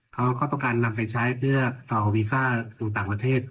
เขาก็ต้องการนำไปใช้เพื่อต่อวีซ่าสู่ต่างประเทศ